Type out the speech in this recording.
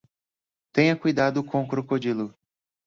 Tenha cuidado com o crocodilo.